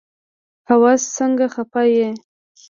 هوس سنګه خفه يي